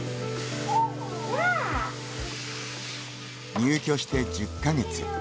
入居して１０か月。